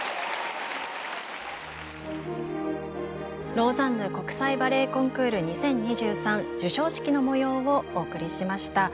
「ローザンヌ国際バレエコンクール２０２３」授賞式の模様をお送りしました。